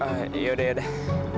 ah yaudah yaudah